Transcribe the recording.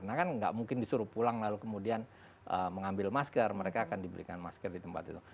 nah kan nggak mungkin disuruh pulang lalu kemudian mengambil masker mereka akan diberikan masker di tempat itu